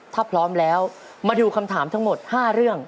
ถ้าพร้อมแล้วมาดูคำถามทั้งหมด๕เรื่อง